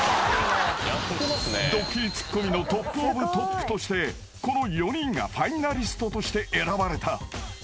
［ドッキリツッコミのトップオブトップとしてこの４人がファイナリストとして選ばれた］